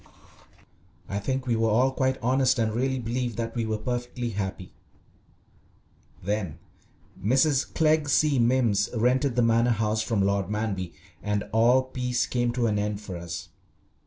I think we were all quite honest and really believed that we were perfectly happy. Then Mrs. Clegg C. Mimms rented the Manor House from Lord Manby, and all peace came to an end for us.